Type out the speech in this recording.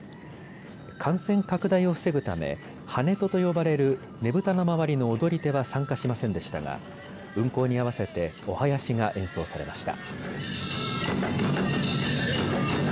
感染拡大を防ぐためハネトと呼ばれるねぶたの周りの踊り手は参加しませんでしたが運行に合わせてお囃子が演奏されました。